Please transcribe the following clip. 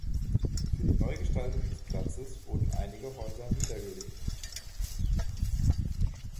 Für die Neugestaltung des Platzes wurden einige Häuser niedergelegt.